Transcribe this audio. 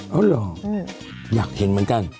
เอาเหรออยากเห็นเหมือนกัน